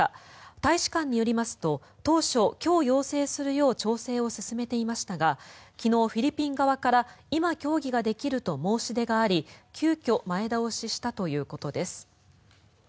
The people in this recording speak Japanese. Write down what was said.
大使館によりますと当初今日、要請するよう調整を進めていましたが昨日、フィリピン側から今、協議ができると申し出があり急きょ前倒ししたということです。